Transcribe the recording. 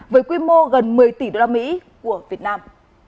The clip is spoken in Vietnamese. với quy mô gần một mươi tỷ đô la mỹ của việt nam